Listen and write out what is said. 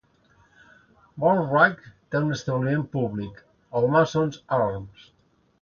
Wadborough té un establiment públic, el Masons Arms.